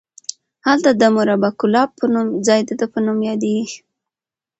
هلته د مربعة کلاب په نوم ځای د ده په نوم یادیږي.